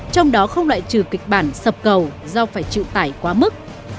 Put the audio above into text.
trong đó không loại trừ kịch bản sập cầu do phải chịu tải quá mức